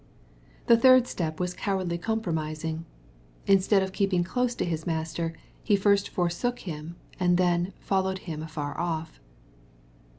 — The third step was cowardly com promising. Instead of keeping close to his Master, he first forsook him, and then " followed him afar off."